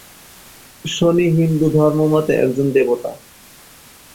শনি হিন্দুধর্ম মতে একজন দেবতা।